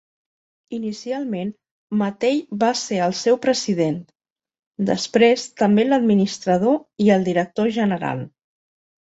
Inicialment Mattei va ser el seu president, després també l'administrador i el director general.